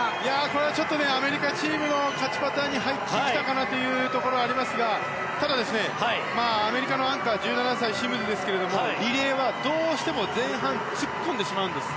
これはちょっとアメリカチームの勝ちパターンに入ってきたかなというところがありますがただ、アメリカのアンカー１７歳、シムズですがリレーは、どうしても前半に突っ込んでしまうんです。